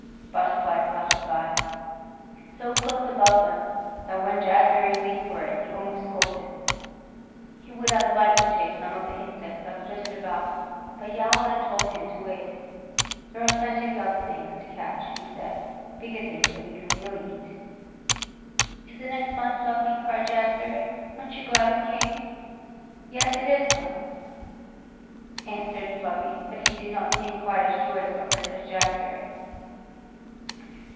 A butterfly fluttered by, so close above them that when Jazbury leaped for it he almost caught it. He would have liked to chase some of the insects that flitted about, but Yowler told him to wait. "There are plenty of other things to catch," he said. "Bigger things that we can really eat." "Isn't it fun, Fluffy?" cried Jazbury. "Aren't you glad we came?" "Yes, it is fun," answered Fluffy; but he did not seem quite as joyous over it as Jazbury.